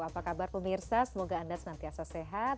apa kabar pemirsa semoga anda senantiasa sehat